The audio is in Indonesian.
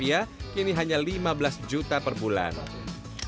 selain pandemi kondisi cuaca yang tak menentu juga menyebabkan tikus rentan mati